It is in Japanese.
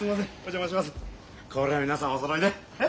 こら皆さんおそろいで。